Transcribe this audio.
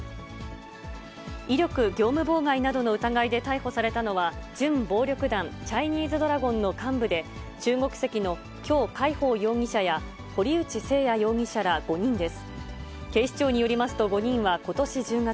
威力業務妨害などの疑いで逮捕されたのは、準暴力団、チャイニーズドラゴンの幹部で、中国籍の姜海ほう容疑者や、堀内誠矢容疑者ら５人です。